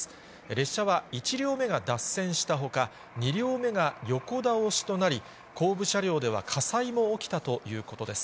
列車は１両目が脱線したほか、２両目が横倒しとなり、後部車両では火災も起きたということです。